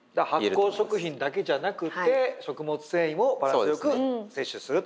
発酵食品だけじゃなくて食物繊維もバランスよく摂取すると。